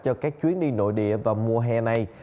cho các chuyến đi nội địa vào mùa hè này